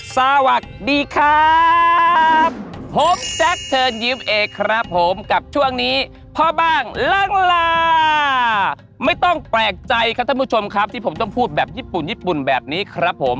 สวัสดีครับผมแจ๊คเชิญยิ้มเอกครับผมกับช่วงนี้พ่อบ้างล่างลาไม่ต้องแปลกใจครับท่านผู้ชมครับที่ผมต้องพูดแบบญี่ปุ่นญี่ปุ่นแบบนี้ครับผม